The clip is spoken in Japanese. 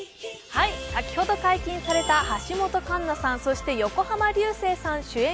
先ほど解禁された橋本環奈さん、そして横浜流星さん主演